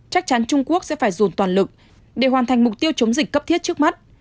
chắc chắn trung quốc sẽ phải dồn toàn lực để hoàn thành mục tiêu chống dịch cấp thiết trước mắt